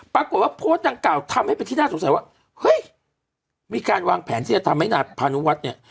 ปรากฏว่าโพสต์ดังกล่าวทำให้เป็นที่น่าสงสัยว่าเฮ้ยมีการวางแผนที่จะทำให้นายพานุวัฒน์เนี่ย